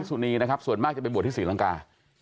ทฤษุณีนะครับส่วนมากจะเป็นบวชทฤษิรังกา